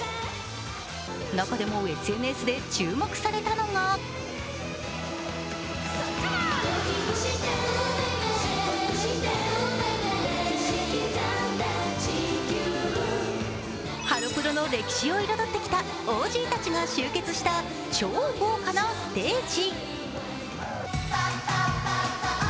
中でもＳＮＳで注目されたのがハロプロの歴史を彩ってきたＯＧたちが集結した超豪華なステージ。